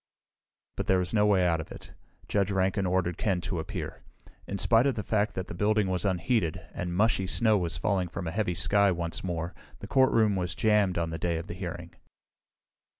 But there was no way out of it. Judge Rankin ordered Ken to appear. In spite of the fact that the building was unheated, and mushy snow was falling from a heavy sky once more, the courtroom was jammed on the day of the hearing.